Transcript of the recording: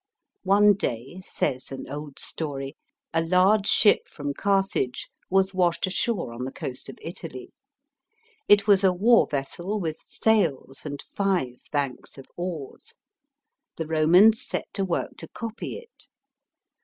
One day, says an old story, a large ship from Car thage was washed ashore on the coast of Italy. It was a war vessel with sails and five banks of oars. The Romans set to work to copy it.